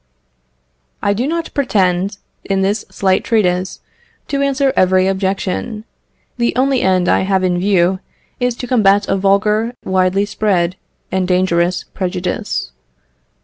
I do not pretend, in this slight treatise, to answer every objection; the only end I have in view, is to combat a vulgar, widely spread, and dangerous prejudice.